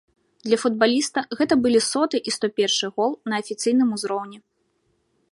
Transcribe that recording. Для футбаліста гэта былі соты і сто першы гол на афіцыйным узроўні.